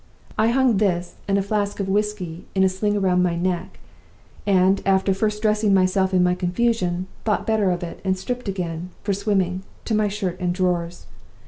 I hung this, and a flask of whisky, in a sling round my neck; and, after first dressing myself in my confusion, thought better of it, and stripped, again, for swimming, to my shirt and drawers.